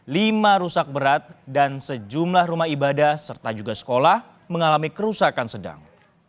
lima rusak berat dan sejumlah rumah ibadah serta juga sekolah mengalami kerusakan sedang